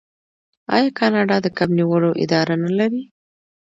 آیا کاناډا د کب نیولو اداره نلري؟